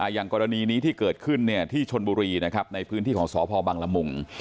อย่างกรณีนี้ที่เกิดขึ้นที่ชนบุรีในพื้นที่ของสพบังละมุง